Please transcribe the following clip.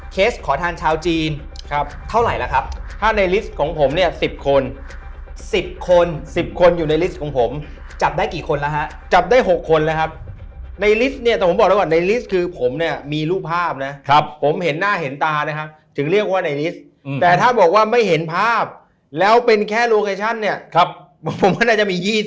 ขอทานชาวจีนครับเท่าไหร่ล่ะครับถ้าในลิสต์ของผมเนี่ย๑๐คน๑๐คน๑๐คนอยู่ในลิสต์ของผมจับได้กี่คนแล้วฮะจับได้๖คนแล้วครับในลิสต์เนี่ยแต่ผมบอกแล้วก่อนในลิสต์คือผมเนี่ยมีรูปภาพนะครับผมเห็นหน้าเห็นตานะครับถึงเรียกว่าในลิสต์แต่ถ้าบอกว่าไม่เห็นภาพแล้วเป็นแค่โลเคชั่นเนี่ยครับผมว่าน่าจะมี๒๐